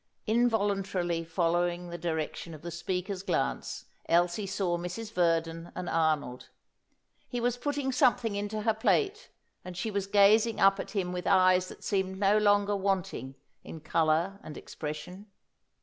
Involuntarily following the direction of the speaker's glance, Elsie saw Mrs. Verdon and Arnold. He was putting something into her plate, and she was gazing up at him with eyes that seemed no longer wanting in colour and expression.